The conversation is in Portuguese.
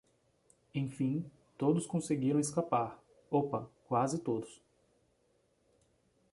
Enfim, todos conseguiram escapar! Opa! Quase todos!